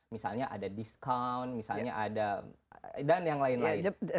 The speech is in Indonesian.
misalnya ada discount misalnya ada dan yang lain lain